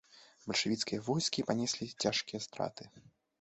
Бальшавіцкія войскі панеслі цяжкія страты.